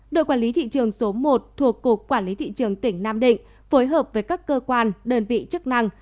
đội quản lý thị trường số một thuộc cục quản lý thị trường tỉnh nam định phối hợp với các cơ quan đơn vị chức năng